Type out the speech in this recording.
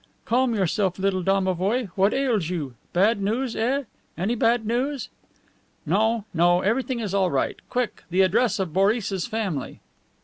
Calm yourself, little domovoi. What ails you? Bad news, eh? Any bad news?" "No, no; everything is all right. Quick, the address of Boris's family."